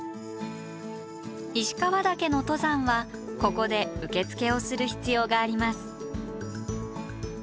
石川岳の登山はここで受付をする必要があります。